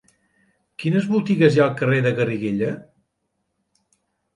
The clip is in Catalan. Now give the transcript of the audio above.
Quines botigues hi ha al carrer de Garriguella?